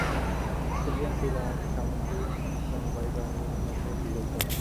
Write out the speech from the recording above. Australian sea lion সামুদ্রিক স্তন্যপায়ী প্রাণীদের মধ্যে বিরলতম।